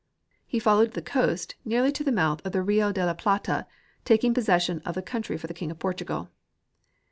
He followed the coast nearly to the mouth of the Rio de la Plata, taking possession of the country for the king of Portugal.